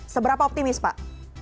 seberapa optimis pak